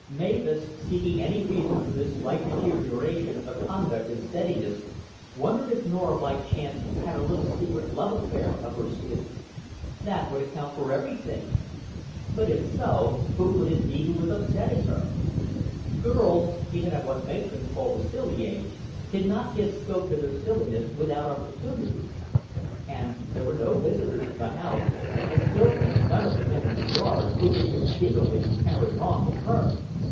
Mavis, seeking any reason for this slight deterioration of conduct and steadiness, wondered if Norah by chance had a little secret love affair up her sleeve. That would account for everything. But if so, who could it be who was upsetting her? Girls, even at what matrons call the silly age, can not give scope to their silliness without opportunities; and there were no visitors to the house, and certainly none of the men in the yard, who could conceivably be carrying on with her.